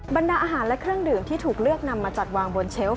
บรรดาอาหารและเครื่องดื่มที่ถูกเลือกนำมาจัดวางบนเชลล